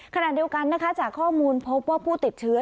ขณะเดียวกันนะคะจากข้อมูลพบว่าผู้ติดเชื้อ